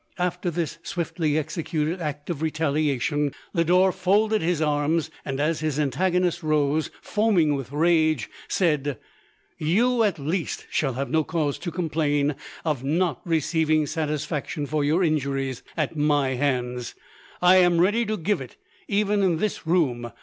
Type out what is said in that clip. After this swiftly executed act of retaliation, Lodore folded his arms, and as his antagonist rose, foaming with rage, said, "You, at least, shall have no cause to complain of not receiving satisfaction for your injuries at my hands. I am ready to give it, even in this room.